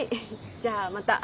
じゃあまた。